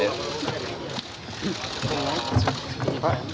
terima kasih pak